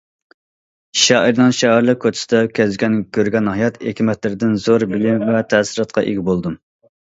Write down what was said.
شائىرنىڭ‹‹ شائىرلىق كوچىسىدا›› كەزگەن، كۆرگەن ھايات ھېكمەتلىرىدىن زور بىلىم ۋە تەسىراتقا ئىگە بولدۇم.